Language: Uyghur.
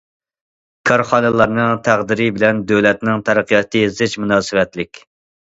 كارخانىلارنىڭ تەقدىرى بىلەن دۆلەتنىڭ تەرەققىياتى زىچ مۇناسىۋەتلىك.